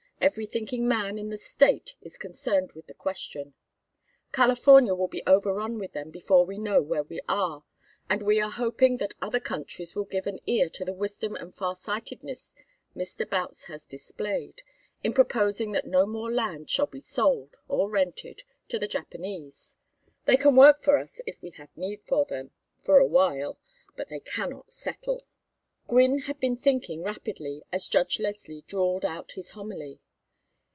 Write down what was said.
Every thinking man in the State is concerned with the question. California will be overrun with them before we know where we are; and we are hoping that other counties will give an ear to the wisdom and farsightedness Mr. Boutts has displayed, in proposing that no more land shall be sold or rented to the Japanese. They can work for us if we have need of them, for a while, but they cannot settle." Gwynne had been thinking rapidly as Judge Leslie drawled out his homily.